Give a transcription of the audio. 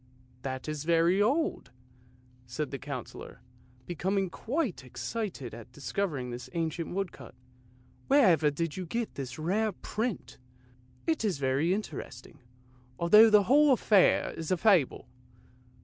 " That is very old," said the Councillor, becoming quite excited at discovering this ancient woodcut. " Wherever did you get this rare print? It is very interesting, although the whole affair is a fable.